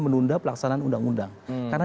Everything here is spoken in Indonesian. menunda pelaksanaan undang undang karena